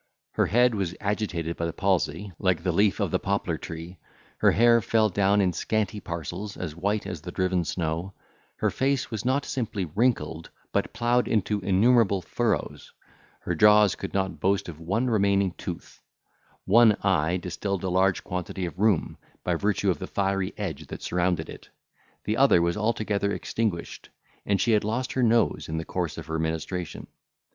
Her head was agitated by the palsy, like the leaf of the poplar tree; her hair fell down in scanty parcels, as white as the driven snow; her face was not simply wrinkled, but ploughed into innumerable furrows; her jaws could not boast of one remaining tooth; one eye distilled a large quantity of rheum, by virtue of the fiery edge that surrounded it; the other was altogether extinguished, and she had lost her nose in the course of her ministration.